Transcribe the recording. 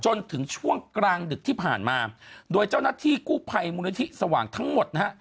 จนถึงช่วงกลางดึกที่ผ่านมาโดยเจ้าหน้าที่กู้ภัยมูลนิธิสว่างทั้งหมดนะฮะ